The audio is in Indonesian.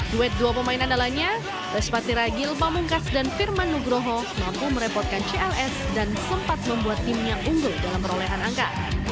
duet dua pemain andalanya lespati ragil pamungkas dan firman nugroho mampu merepotkan cls dan sempat membuat timnya unggul dalam perolehan angka